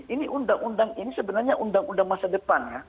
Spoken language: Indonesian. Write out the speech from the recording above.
ini undang undang ini sebenarnya undang undang masa depan ya